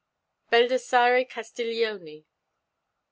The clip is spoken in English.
BALDASSARRE CASTIGLIONE.